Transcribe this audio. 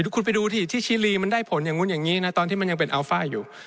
คุณไปดูสิที่ชิลีมันได้ผลอย่างนู้นอย่างนี้นะตอนที่มันยังเป็นอัลฟ่าอยู่